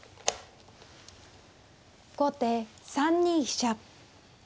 後手３二飛車。